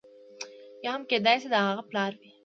یا هم کېدای شي د هغه پلار وي.